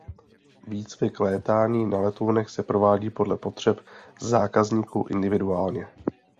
Výcvik létání na letounech se provádí podle potřeb zákazníků individuálně.